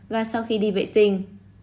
và sau khi đi vệ sinh